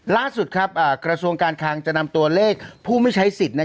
ล่าสุดครับกระทรวงการคางจะนำตัวเลขผู้ไม่ใช้สิทธิ์